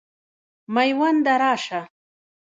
مېونده راسه.